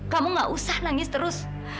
kamu gak usah nangis terus